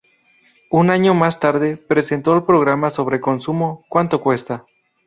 Un año más tarde presentó el programa sobre consumo "¿Cuánto cuesta?".